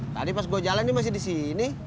tadi pas gue jalan ini masih di sini